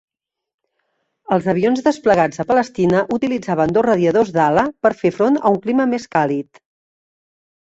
Els avions desplegats a Palestina utilitzaven dos radiadors d'ala per fer front a un clima més càlid.